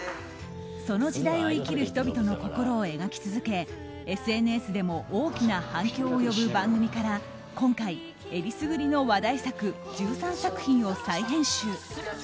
その時代を生きる人々の心を描き続けＳＮＳでも大きな反響を呼ぶ番組から今回、えりすぐりの話題作１３作品を再編集。